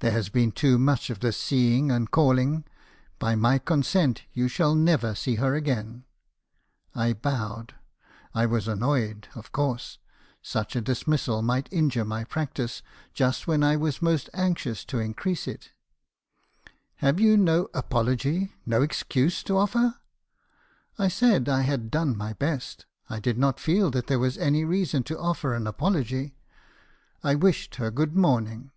4 There has been too much of this seeing and calling. By my consent, you shall never see her again.' "I bowed. I was annoyed, of course. Such a dismissal me. haeeison's confessions. 297 might injure my practice just when I was most anxious to in crease it. " 'Have you no apology, no excuse to offer?' "I said I had done my best; I did not feel that there was any reason to offer an apology. I wished her good morning.